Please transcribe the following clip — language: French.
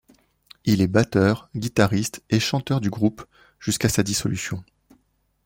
Il est batteur, guitariste et chanteur du groupe jusqu'à sa dissolution.